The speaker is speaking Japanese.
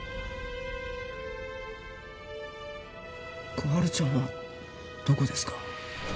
心春ちゃんはどこですか？